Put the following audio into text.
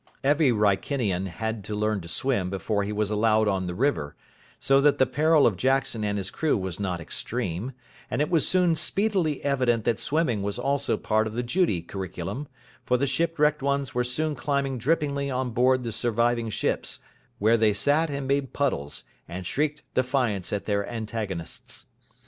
Every Wrykinian had to learn to swim before he was allowed on the river; so that the peril of Jackson and his crew was not extreme: and it was soon speedily evident that swimming was also part of the Judy curriculum, for the shipwrecked ones were soon climbing drippingly on board the surviving ships, where they sat and made puddles, and shrieked defiance at their antagonists.